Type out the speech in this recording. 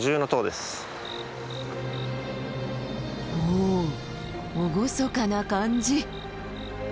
お厳かな感じ。